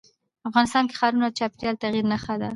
افغانستان کې ښارونه د چاپېریال د تغیر نښه ده.